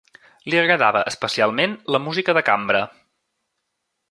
Li agradava especialment la música de cambra.